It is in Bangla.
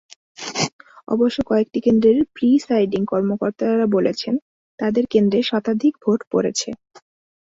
অবশ্য কয়েকটি কেন্দ্রের প্রিসাইডিং কর্মকর্তারা বলেছেন, তাঁদের কেন্দ্রে শতাধিক ভোট পড়েছে।